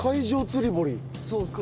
そうそう。